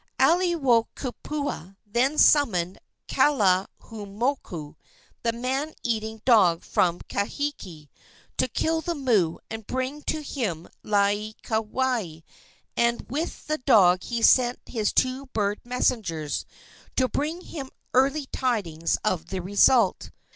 Aiwohikupua then summoned Kalahumoku, the man eating dog from Kahiki, to kill the moo and bring to him Laieikawai; and with the dog he sent his two bird messengers, to bring him early tidings of the result.